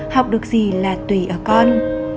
học được gì là tùy ở con